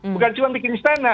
bukan cuma bikin istana